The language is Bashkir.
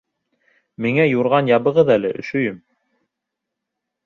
Миңә юрған ябығыҙ әле, өшөйөм.